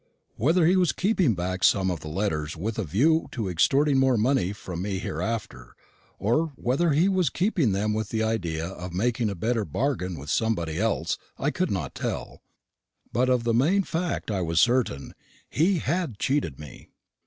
Whether he was keeping back some of the letters with a view to extorting more money from me hereafter, or whether he was keeping them with the idea of making a better bargain with somebody else, I could not tell; but of the main fact I was certain he had cheated me.